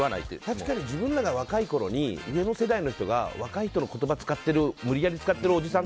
確かに自分らが若い時に上の世代が若い人の言葉無理やり使ってるおじさん